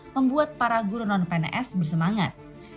membuat para guru non pns bersemangat